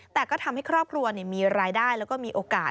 แต่ก็ทำให้ครอบครัวมีรายได้แล้วก็มีโอกาส